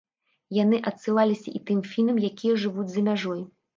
Яны адсылаліся і тым фінам, якія жывуць за мяжой.